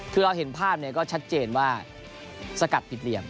คือเราเห็นภาพก็ชัดเจนว่าสกัดผิดเหลี่ยม